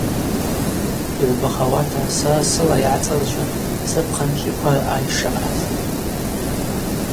Йгӏвбахауата, сара сыла йгӏацӏазжьуан сапхъанчӏвиква араъа йшаъаз.